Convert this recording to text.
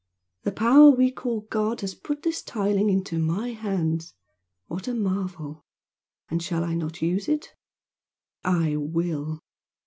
the Power we call God, has put this tiling into my hands! What a marvel and shall I not use it? I will!